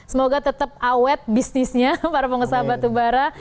semoga tetap awet bisnisnya para pengusaha batubara